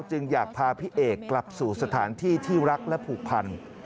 จึงอยากพาพี่เอกกลับสู่สถานที่ที่รักและผูกพัน